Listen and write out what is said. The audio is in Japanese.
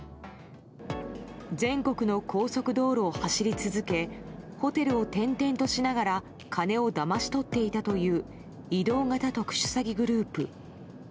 全国の高速道路を走り続けホテルを転々としながら金をだまし取っていたという移動型特殊詐欺グループ。